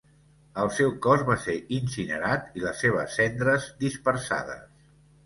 El seu cos va ser incinerat i les seves cendres dispersades.